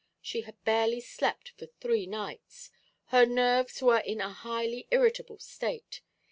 She had barely slept for three nights. Her nerves were in a highly irritable state.